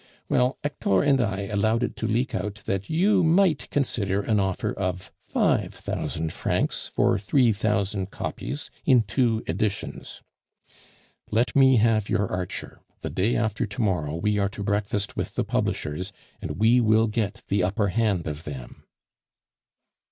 Well, Hector and I allowed it to leak out that you might consider an offer of five thousand francs for three thousand copies, in two editions. Let me have your Archer; the day after to morrow we are to breakfast with the publishers, and we will get the upper hand of them."